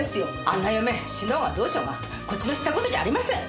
あんな嫁死のうがどうしようがこっちの知った事じゃありません。